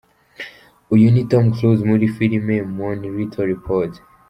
uyu ni Tom Cruise muri filime Minority Report.